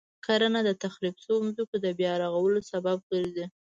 کرنه د تخریب شويو ځمکو د بیا رغولو سبب ګرځي.